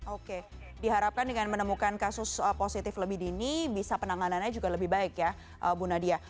oke diharapkan dengan menemukan kasus positif lebih dini bisa penanganannya juga lebih baik ya bu nadia